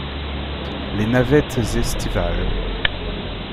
Les navettes estivales.